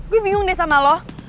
gue bingung deh sama lo